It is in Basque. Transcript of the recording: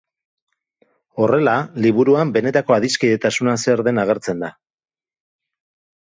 Horrela, liburuan benetako adiskidetasuna zer den agertzen da.